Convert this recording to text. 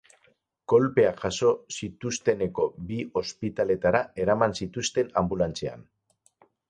Kolpeak jaso zituztenetako bi ospitalera eraman zituzten anbulantzian.